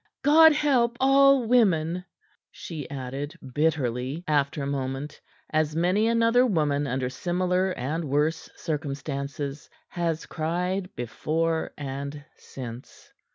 "God help all women!" she added bitterly, after a moment, as many another woman under similar and worse circumstances has cried before and since.